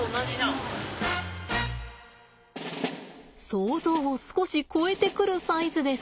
想像を少し超えてくるサイズです。